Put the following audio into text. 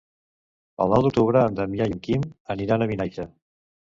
El nou d'octubre en Damià i en Quim aniran a Vinaixa.